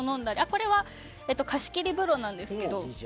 これは貸し切り風呂なんですけど。